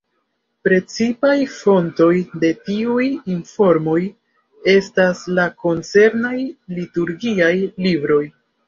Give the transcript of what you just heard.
Precipaj fontoj de tiuj informoj estas la koncernaj liturgiaj libroj.